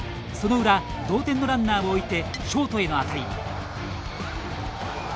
その裏、同点のランナーを置いてショートへの当たり。